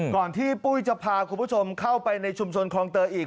ที่ปุ้ยจะพาคุณผู้ชมเข้าไปในชุมชนคลองเตยอีก